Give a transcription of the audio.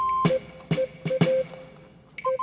saya juga ngantuk